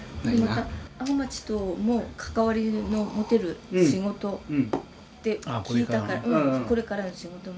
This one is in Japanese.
阿賀町とも関わりの持てる仕事って聞いたからこれからの仕事も。